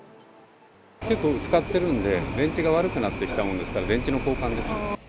結構、使ってるんで電池が悪くなってきたもんですから、電池の交換です。